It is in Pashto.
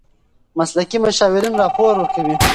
مسلکي مشاورین راپور ورکوي.